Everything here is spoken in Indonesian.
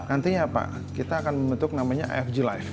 nantinya pak kita akan membentuk namanya fg life